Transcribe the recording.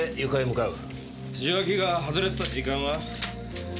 受話器が外れてた時間は？